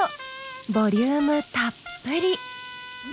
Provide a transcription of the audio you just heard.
ボリュームたっぷり。